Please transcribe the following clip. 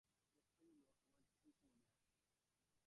কথাগুলো আমার ঠিক মনে আছে।